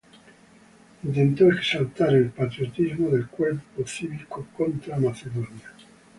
Intentó exaltar el patriotismo del cuerpo cívico contra Macedonia.